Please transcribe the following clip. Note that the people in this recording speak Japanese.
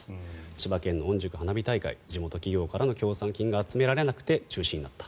千葉県のおんじゅく花火大会地元企業からの協賛金が集められなくて中止になった。